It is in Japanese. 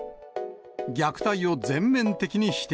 虐待を全面的に否定。